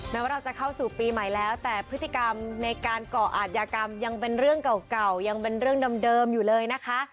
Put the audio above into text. ว่าเราจะเข้าสู่ปีใหม่แล้วแต่พฤติกรรมในการก่ออาจยากรรมยังเป็นเรื่องเก่ายังเป็นเรื่องเดิมอยู่เลยนะคะ